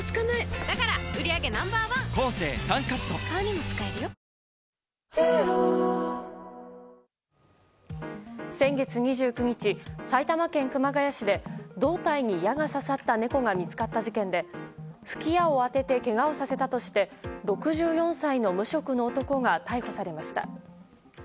もし２ｍあったらフィールド変わっていたかなと先月２９日、埼玉県熊谷市で胴体に矢が刺さった猫が見つかった事件で吹き矢を当ててけがをさせたとして６４歳の無職の男が逮捕されました。